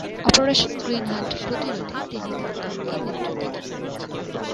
Operation green hunt প্রতিরোধে তিনি তার দলকে নেতৃত্ব দান করছেন।